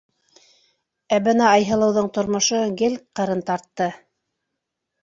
Ә бына Айһылыуҙың тормошо гел ҡырын тартты.